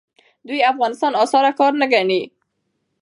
دوی افغانستان اسانه کار نه ګڼي.